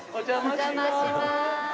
お邪魔しまーす。